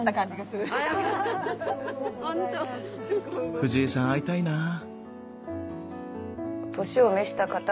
フジヱさん会いたいなあ。